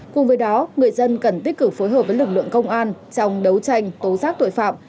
cùng với đó người dân cần tích cực phối hợp với lực lượng công an trong đấu tranh tố giác tội phạm